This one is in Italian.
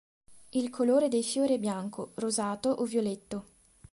Il colore dei fiori è bianco, rosato o violetto.